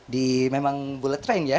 di memang bullet train ya